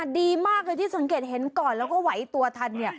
ดีมากที่สังเกตเห็นก่อนแล้วก็ไหวตัวทัน